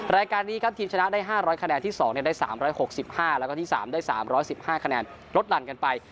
รายการนี้ครับทีมชนะได้๕๐๐คะแนนที่๒ได้๓๖๕แล้วก็ที่๓ได้๓๑๕คะแนนลดหลั่นกันไป